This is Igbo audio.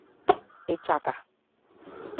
ịchaka